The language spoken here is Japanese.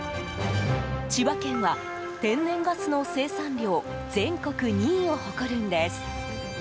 千葉県は、天然ガスの生産量全国２位を誇るんです。